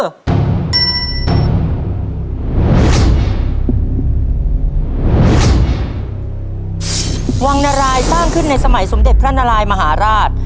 วังนารายสร้างขึ้นในสมัยสมเด็จพระนารายมหาราช